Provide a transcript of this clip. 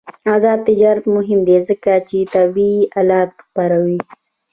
آزاد تجارت مهم دی ځکه چې طبي آلات خپروي.